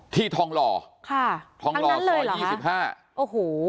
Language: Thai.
อ๋อที่ทองหล่อค่ะทั้งนั้นเลยเหรอทองหล่อขอยยี่สิบห้าโอ้โห